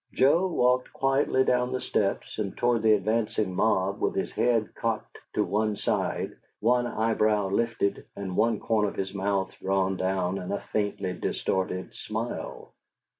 Joe walked quietly down the steps and toward the advancing mob with his head cocked to one side, one eyebrow lifted, and one corner of his mouth drawn down in a faintly distorted smile.